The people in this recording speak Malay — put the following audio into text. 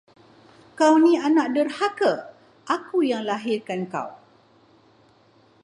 Kau ni anak derhaka, aku yang lahirkan kau.